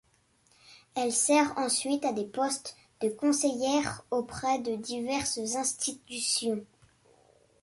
Elle sert ensuite à des postes de conseillère auprès de diverses institutions.